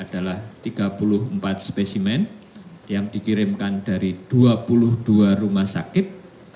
adalah tiga puluh empat spesimen yang dikirimkan dari dua puluh dua rumah sakit